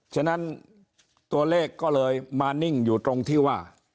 ฉะนั้นตัวเลขก็เลยมานิ่งอยู่ตรงที่ว่า